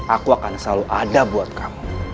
aku akan selalu ada buat kamu